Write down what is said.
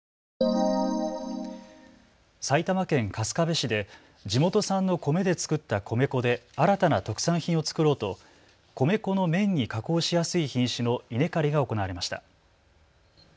埼玉県春日部市で地元産の米で作った米粉で新たな特産品を作ろうと米粉の麺に加工しやすい品種の稲刈りが行われました。